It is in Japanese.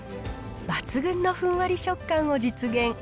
抜群のふんわり食感を実現。